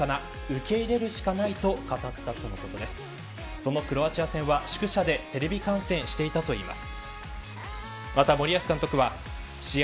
そのクロアチア戦は宿舎でテレビ観戦していたといいます。